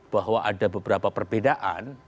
bahwa ada beberapa perbedaan